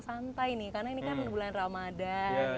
santai nih karena ini kan bulan ramadan